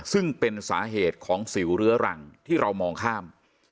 ซึ่งเป็นสาเหตุของสิวเรื้อรังที่เรามองข้าม